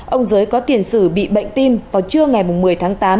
ông giới có tiền sử bị bệnh tim vào trưa ngày một mươi tháng tám